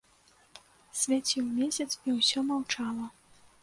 Свяціў месяц, і ўсё маўчала.